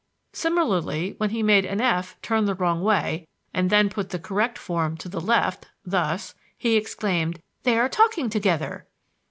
Similarly, when he made an F turn the wrong way and then put the correct form to the left, thus, ++||++|| he exclaimed, 'They're talking together!'"